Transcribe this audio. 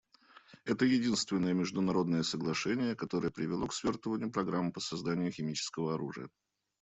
Это единственное международное соглашение, которое привело к свертыванию программ по созданию химического оружия.